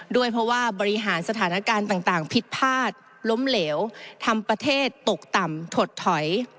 ด้วยเพราะว่าบริหารสถานการณ์ต่างผิดพลาดล้มเหลวทำประเทศตกต่ำถดถอย